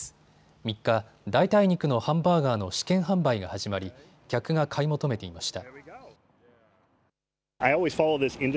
３日、代替肉のハンバーガーの試験販売が始まり客が買い求めていました。